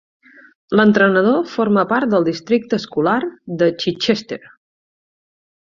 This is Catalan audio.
L'entrenador forma part del districte escolar de Chichester.